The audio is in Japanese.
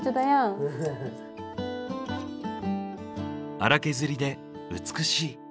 荒削りで美しい。